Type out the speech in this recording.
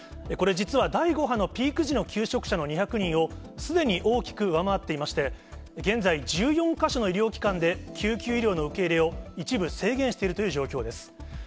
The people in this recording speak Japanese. これ、実は第５波のピーク時の休職者の２００人をすでに大きく上回っていまして、現在、１４か所の医療機関で救急医療の受け入れを一部制限しているという状況です。